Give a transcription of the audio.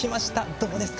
どうですか？